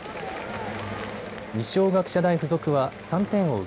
二松学舎大付属は３点を追う